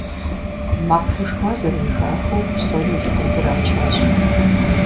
Макъ гушхуар зэрызэхахыу, псоми зыкъыздрачащ.